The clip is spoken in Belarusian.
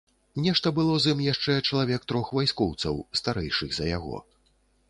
Нешта было з ім яшчэ чалавек трох вайскоўцаў, старэйшых за яго.